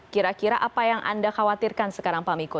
kira kira apa yang anda khawatirkan sekarang pak miko